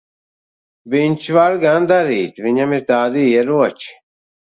Viņš var gan darīt. Viņam ir tādi ieroči.